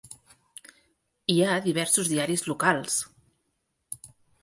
Hi ha diversos diaris locals.